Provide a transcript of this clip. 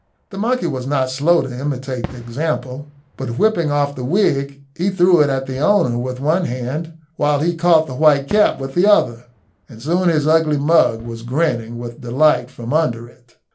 The monkey was not slow to imitate the example, but whipping off the wig, he threw it at the owner with one hand while he caught the white cap with the other, and soon his ugly mug was grinning with delight from under it.